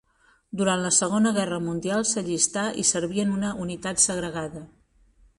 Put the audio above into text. Durant la Segona Guerra Mundial s’allistà i serví en una unitat segregada.